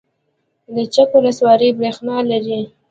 د چک ولسوالۍ بریښنا لري